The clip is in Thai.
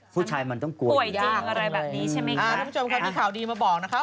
ผู้ชายมันต้องกลัวอย่างนี้ทุกคนค่ะมีข่าวดีมาบอกนะคะ